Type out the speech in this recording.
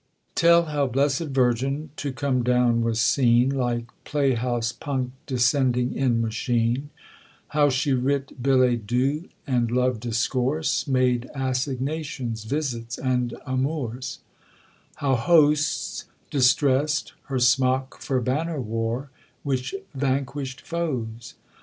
Tell, how blessed Virgin to come down was seen, Like play house punk descending in machine, How she writ billet doux and love discourse, Made assignations, visits, and amours; How hosts distrest, her smock for banner wore, Which vanquished foes!